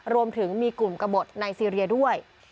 รวมถึงมีกลุ่มกระบดในซีเรียด้วย